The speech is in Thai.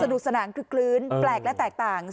สะดุสนังคือคลื้นแปลกและแตกต่าง